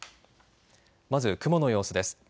まず雲の様子です。